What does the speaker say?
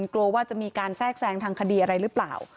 กลัวว่าจะมีการแทรกแซงทางคดีอะไรหรือเปล่า